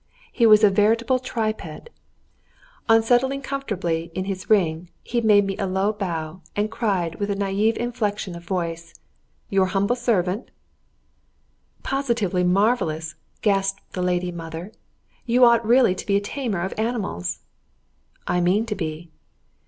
He was a veritable triped! On settling comfortably in his ring, he made me a low bow, and cried with a naïve inflexion of voice "Your humble servant!" "Positively marvellous!" gasped the lady mother; "you ought really to be a tamer of animals!" "I mean to be."